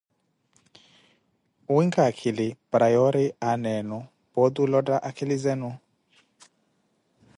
N`winkhe akhili para yoori aana enu poote olotta akhili zenu.